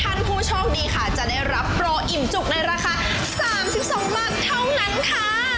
ท่านผู้โชคดีค่ะจะได้รับโปรอิ่มจุกในราคา๓๒บาทเท่านั้นค่ะ